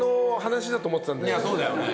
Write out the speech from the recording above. いやそうだよね。